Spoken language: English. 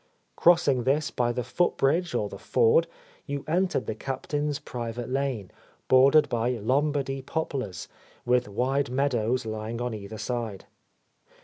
Crossing this by the foot bridge or the ford, you entered the Captain's private lane, bordered by Lombardy poplars, with wide meadows lying on either side.